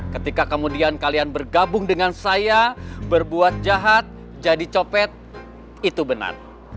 ketika kemudian kalian bergabung dengan saya berbuat jahat jadi copet itu benar